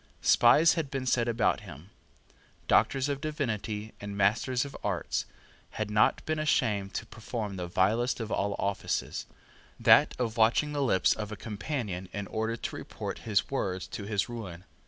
Spies had been set about him. Doctors of Divinity and Masters of Arts had not been ashamed to perform the vilest of all offices, that of watching the lips of a companion in order to report his words to his ruin.